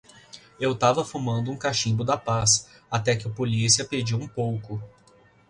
Eu tava fumando um cachimbo da paz até que o polícia pediu um pouco